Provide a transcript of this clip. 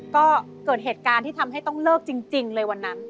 ก็เกิดเหตุการณ์ที่ทำให้ต้องเลิกจริงเลยวันนั้น